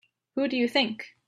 Who do you think?